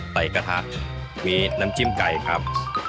ไก่กระทะมีน้ำจิ้มไก่ครับ